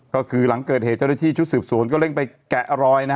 ก็คือหลังเกิดเหตุเจ้าหน้าที่ชุดสืบสวนก็เร่งไปแกะรอย